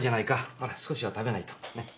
ほら少しは食べないと。ね？